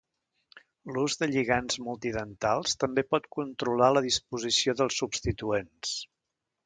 L'ús de lligands multidentats també pot controlar la disposició dels substituents.